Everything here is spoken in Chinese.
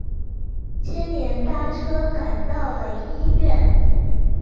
接连搭车赶到了医院